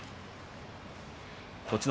栃ノ